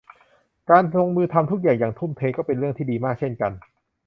การลงมือทำทุกอย่างอย่างทุ่มเทก็เป็นเรื่องที่ดีมากเช่นกัน